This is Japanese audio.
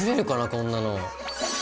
こんなの。